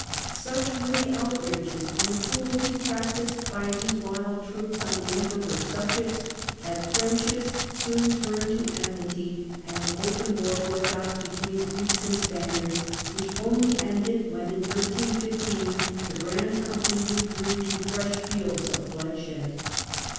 Such were the outrages and cruelties practised by these wild troops on the Emperor's subjects, that friendships soon turned to enmity, and open war Catalan broke out between Greeks and Spaniards, which only i, ,^''^^^^'' ended when in 1315 the Grand Company withdrew to fresh fields of bloodshed.